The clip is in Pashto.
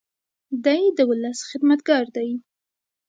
دی د ولس خدمتګار دی.